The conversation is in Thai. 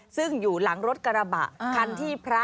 ซึ่งอยู่หลังรถกระปะ